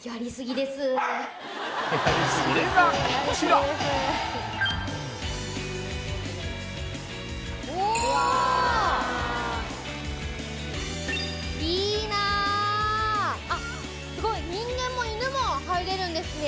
それがこちらおおいいなあっすごい人間も犬も入れるんですね